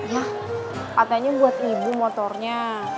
mah katanya buat ibu motornya